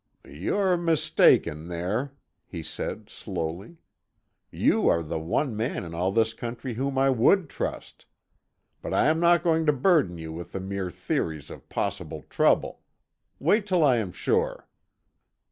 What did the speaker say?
"You're mistaken there," he said slowly. "You are the one man in all this country whom I would trust. But I am not going to burden you with mere theories of possible trouble. Wait till I am sure."